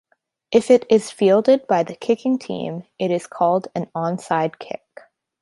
If it is fielded by the kicking team, it is called an onside kick.